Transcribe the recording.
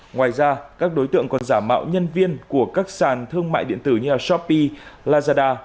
ngoài ra các đối tượng còn giả mạo nhân viên của các sàn thương mại điện tử như shopee lazada